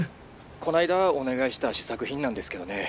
☎こないだお願いした試作品なんですけどね